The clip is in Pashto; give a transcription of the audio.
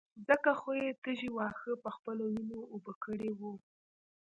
ځکه خو يې تږي واښه په خپلو وينو اوبه کړي وو.